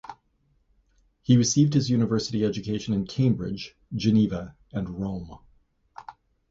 He received his university education in Cambridge, Geneva and Rome.